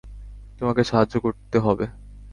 তোমাকে সাহায্য করতে হবে।